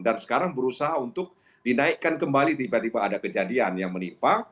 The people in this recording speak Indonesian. dan sekarang berusaha untuk dinaikkan kembali tiba tiba ada kejadian yang menimpa